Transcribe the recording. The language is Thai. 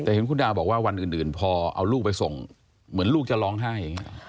แต่เห็นคุณดาวบอกว่าวันอื่นพอเอาลูกไปส่งเหมือนลูกจะร้องไห้อย่างนี้